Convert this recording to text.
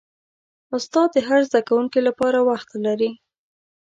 استاد د هر زده کوونکي لپاره وخت لري.